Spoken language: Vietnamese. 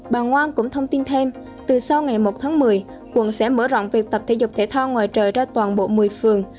bà ngoan cũng thông tin thêm từ sau ngày một tháng một mươi quận sẽ mở rộng việc tập thể dục thể thao ngoài trời ra toàn bộ một mươi phường